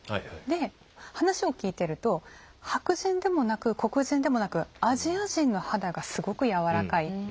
で話を聞いてると白人でもなく黒人でもなくアジア人の肌がすごくやわらかいって言うんですね。